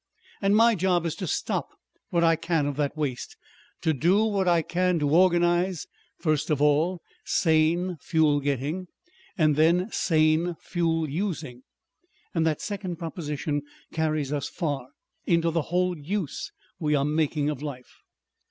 "And my job is to stop what I can of that waste, to do what I can to organize, first of all sane fuel getting and then sane fuel using. And that second proposition carries us far. Into the whole use we are making of life.